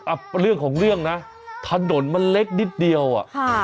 เรื่องของเรื่องนะถนนมันเล็กนิดเดียวอ่ะค่ะ